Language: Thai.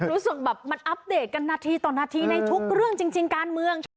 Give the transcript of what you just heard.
รู้สึกแบบมันอัปเดตกันนาทีต่อนาทีในทุกเรื่องจริงการเมือง